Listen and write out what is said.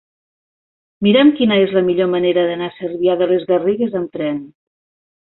Mira'm quina és la millor manera d'anar a Cervià de les Garrigues amb tren.